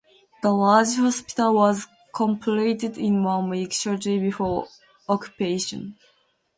The large hospital was completed in one week shortly before occupation.